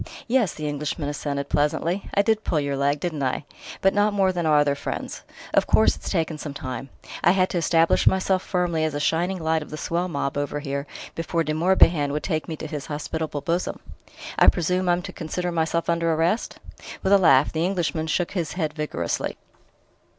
"Yes," the Englishman assented pleasantly; "I did pull your leg didn't I? But not more than our other friends. Of course, it's taken some time: I had to establish myself firmly as a shining light of the swell mob over here before De Morbihan would take me to his hospitable bosom." "I presume I'm to consider myself under arrest?" With a laugh, the Englishman shook his head vigorously.